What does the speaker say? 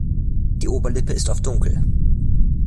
Die Oberlippe ist oft dunkel.